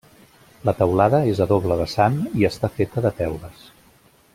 La teulada és a doble vessant i està feta de teules.